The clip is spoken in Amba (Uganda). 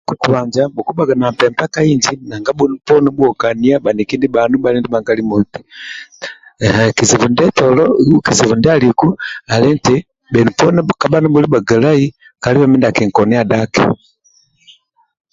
Ndia kokubanja bhukubhaga na mpempa ka inji nanga bhenu poni bhuokania kandi.bhaniki ndibhanu bhali ndibha nkali moti kizibu ndieyolo u kizibu ndia aliku bhenu poni kabha nibhuli bhagalai kalibe mindia akinkonia daki